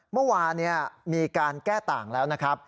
เมื่อวานมีการแก้ต่างแล้วนะครับ